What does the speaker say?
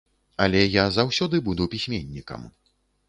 Але я заўсёды буду пісьменнікам.